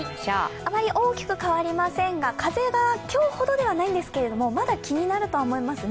あまり大きく変わりませんが、風が今日ほどではないんですけど、まだ気になると思いますね。